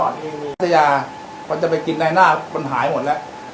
นะครับมันจะไปกินในหน้ามันหายหมดแล้ว